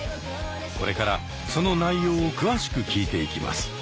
これからその内容を詳しく聞いていきます。